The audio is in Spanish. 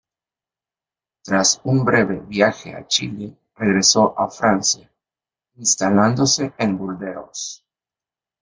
Tras un breve viaje a Chile regresó a Francia, instalándose en Burdeos.